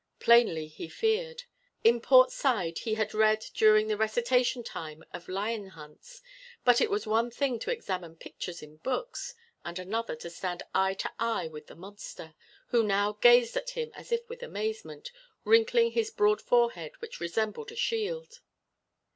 Plainly he feared. In Port Said he had read during the recitation time of lion hunts, but it was one thing to examine pictures in books and another to stand eye to eye with the monster, who now gazed at him as if with amazement, wrinkling his broad forehead which resembled a shield.